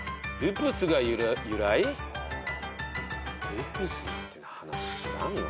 「ルプス」って花知らんよ。